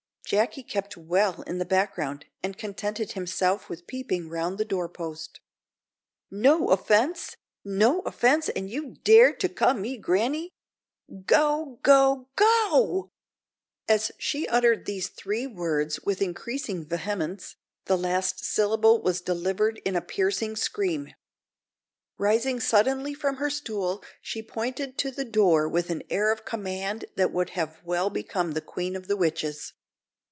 Jacky kept well in the background, and contented himself with peeping round the door post. "No offence! no offence! an' you dare to ca' me granny! Go! go! go!" As she uttered these three words with increasing vehemence, the last syllable was delivered in a piercing scream. Rising suddenly from her stool, she pointed to the door with an air of command that would have well become the queen of the witches.